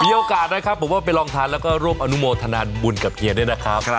มีโอกาสนะครับผมว่าไปลองทานแล้วก็ร่วมอนุโมทนาบุญกับเฮียด้วยนะครับ